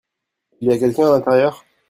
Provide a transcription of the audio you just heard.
Il y a quelqu'un à l'intérieur ?